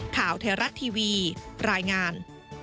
ข่าวเทราะห์ทีวีรายงาน